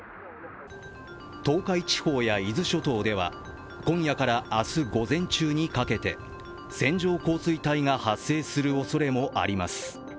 東海地方や伊豆諸島では今夜から明日午前中にかけて線状降水帯が発生するおそれもあります。